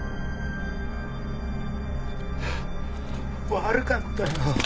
悪かったよ。